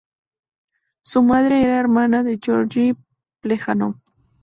Su madre era hermana de Georgi Plejánov.